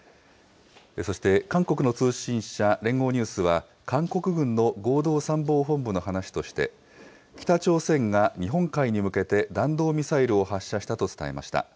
そして韓国の通信社、連合ニュースは韓国軍の合同参謀本部の話として、北朝鮮が日本海に向けて弾道ミサイルを発射したと伝えました。